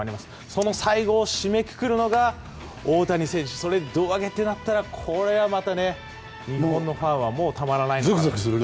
その最後を締めくくるのが大谷選手、胴上げってなったらこれはまた日本のファンはたまらないです。